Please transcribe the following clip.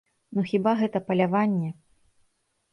Ну хіба гэта паляванне?